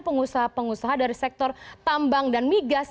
pengusaha pengusaha dari sektor tambang dan migas